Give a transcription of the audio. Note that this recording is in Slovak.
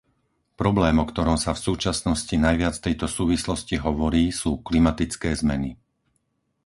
Problém, o ktorom sa v súčasnosti najviac v tejto súvislosti hovorí, sú klimatické zmeny.